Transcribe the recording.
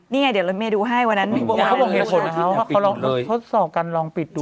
นี่ไงเดี๋ยวเราไม่ดูให้วันนั้นเขาบอกทดสอบการลองปิดดู